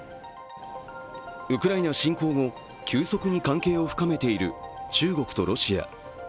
ウクライナ侵攻後、急速に関係を深めている中国とロシア。